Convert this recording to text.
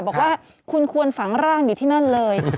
บอกว่าคุณควรฝังร่างอยู่ที่นั่นเลย